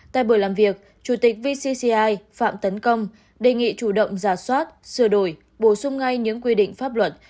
tại buổi làm việc chủ tịch vcci phạm tấn công đề nghị chủ động giả soát sửa đổi bổ sung ngay những quy định pháp luật